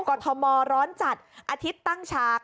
กรทมร้อนจัดอาทิตย์ตั้งฉาก